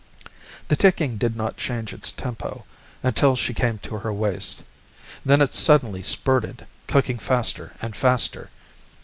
The ticking did not change its tempo until she came to her waist. Then it suddenly spurted, clicking faster and faster.